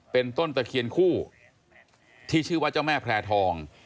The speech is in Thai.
เป็นต้นตะเคียนคู่ที่ชื่อว่าเจ้าแม่แพร่ทอง